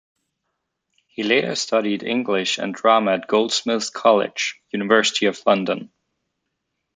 He later studied English and drama at Goldsmiths' College, University of London.